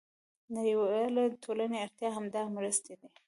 د نړیوالې ټولنې اړتیا همدا مرستې دي.